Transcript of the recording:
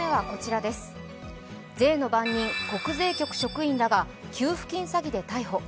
税の番人、国税局職員らが給付金詐欺で逮捕。